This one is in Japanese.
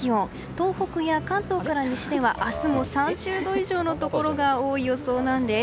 東北や関東から西では明日も３０度以上のところが多い予想なんです。